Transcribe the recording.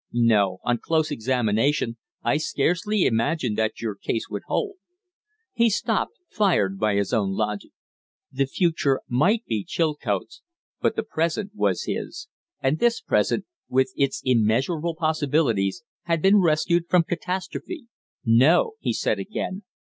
No; on close examination I scarcely imagine that your case would hold." He stopped, fired by his own logic. The future might be Chilcote's but the present was his; and this present with its immeasurable possibilities had been rescued from catastrophe. "No," he said, again.